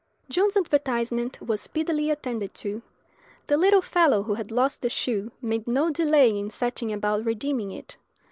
John's advertisement was speedily attended to. The little fellow who had lost the shoe made no delay in setting about redeeming it.